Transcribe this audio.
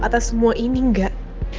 atas semua ini gak